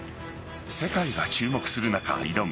世界が注目する中、挑む